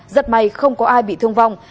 rất may không có ai bị thương vong